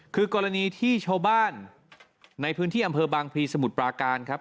คือกรณีที่ชาวบ้านในพื้นที่อำเภอบางพลีสมุทรปราการครับ